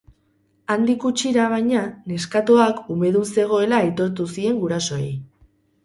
Handik gutxira, baina, neskatoak umedun zegoela aitortu zien gurasoei.